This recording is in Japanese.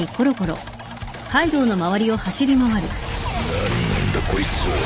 何なんだこいつは